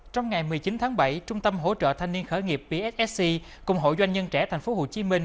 trong ngày một mươi chín tháng bảy trung tâm hỗ trợ thanh niên khởi nghiệp pssc cùng hội doanh nhân trẻ thành phố hồ chí minh